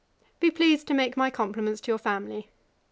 'Be pleased to make my compliments to your family.